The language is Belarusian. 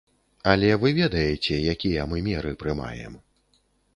Але вы ведаеце, якія мы меры прымаем.